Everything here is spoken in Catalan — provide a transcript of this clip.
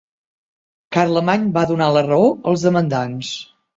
Carlemany va donar la raó als demandants.